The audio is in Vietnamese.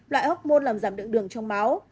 loại hốc môn làm giảm lượng đường trong máu